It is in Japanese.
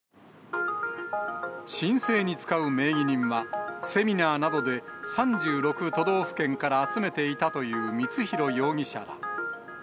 申請に使う名義人は、セミナーなどで３６都道府県から集めていたという光弘容疑者ら。